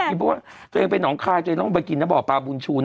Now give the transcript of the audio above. เพราะว่าจนเองเป็นหนองคายนั่งไปกินแล้วบอกปาบูนชูน่ะ